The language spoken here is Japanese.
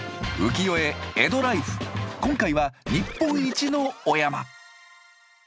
今回は日本一のお山。